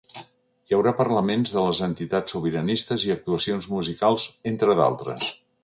Hi haurà parlaments de les entitats sobiranistes i actuacions musicals, entre d’altres.